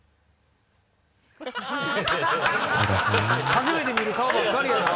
初めて見る顔ばっかりやな。